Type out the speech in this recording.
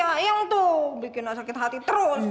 ayang tuh bikin aku sakit hati terus